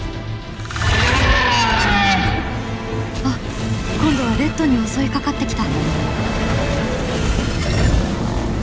あっ今度はレッドに襲いかかってきた。